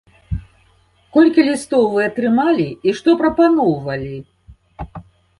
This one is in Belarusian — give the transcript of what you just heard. Колькі лістоў вы атрымалі, і што прапаноўвалі?